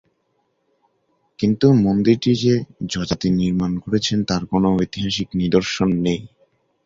কিন্তু মন্দিরটি যে যযাতি নির্মাণ করেছেন তার কোন ঐতিহাসিক নিদর্শন নেই।